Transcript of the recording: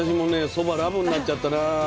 そばラブになっちゃったな。